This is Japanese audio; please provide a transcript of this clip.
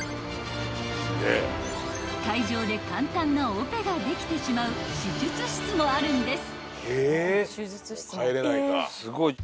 ［海上で簡単なオペができてしまう手術室もあるんです］